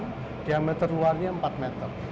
diameter luarnya empat meter